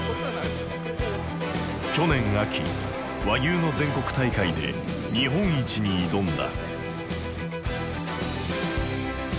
去年秋和牛の全国大会で日本一に挑んだ。